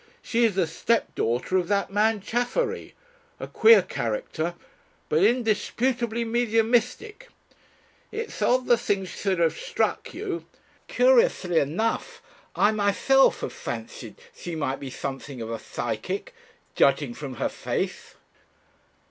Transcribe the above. She is the stepdaughter of that man Chaffery a queer character, but indisputably mediumistic. It's odd the thing should have struck you. Curiously enough I myself have fancied she might be something of a psychic judging from her face."